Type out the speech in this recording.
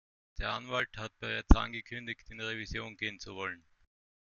Der Anwalt hat bereits angekündigt, in Revision gehen zu wollen.